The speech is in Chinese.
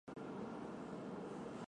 张联第。